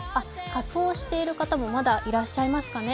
仮装している方もまだいらっしゃいますかね。